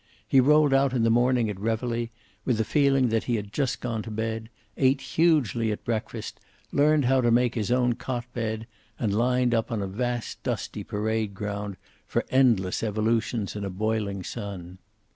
He rolled out in the morning at reveille, with the feeling that he had just gone to bed, ate hugely at breakfast, learned to make his own cot bed, and lined up on a vast dusty parade ground for endless evolutions in a boiling sun.